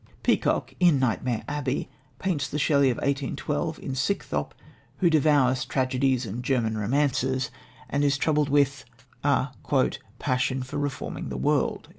Peacock, in Nightmare Abbey, paints the Shelley of 1812 in Scythrop, who devours tragedies and German romances, and is troubled with a "passion for reforming the world."